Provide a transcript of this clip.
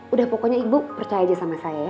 udah pokoknya ibu percaya aja sama saya